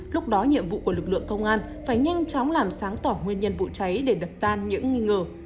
lúc đó nhiệm vụ của lực lượng công an phải nhanh chóng làm sáng tỏ nguyên nhân vụ cháy để đập tan những nghi ngờ